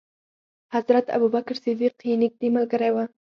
حضرت ابو بکر صدیق یې نېږدې ملګری و.